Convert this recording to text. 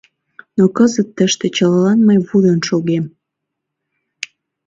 — Но кызыт тыште чылалан мый вуйын шогем.